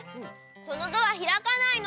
このドアひらかないの。